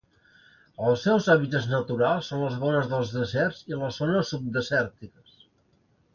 Els seus hàbitats naturals són les vores dels deserts i les zones subdesèrtiques.